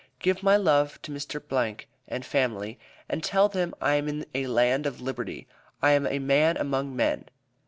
Give my love to Mr. , and family, and tell them I am in a land of liberty! I am a man among men!"